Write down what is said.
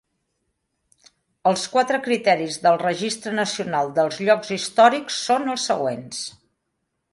Els quatre criteris del Registre Nacional de Llocs Històrics són els següents.